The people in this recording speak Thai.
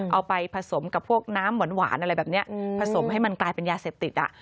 เอาไปผสมกับพวกน้ำหวานอะไรแบบนี้ผสมให้มันกลายเป็นยาเสพติดอ่ะ